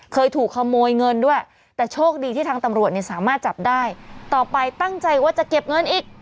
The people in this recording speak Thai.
เคยถูกขโมยเงินด้วยแต่โชคดีที่ทางตำรวจเนี่ยสามารถจับได้ต่อไปตั้งใจว่าจะเก็บเงินอีก